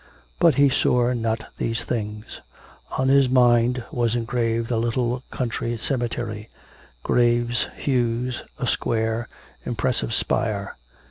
But he saw not these things; on his mind was engraved a little country cemetery graves, yews, a square, impressive spire.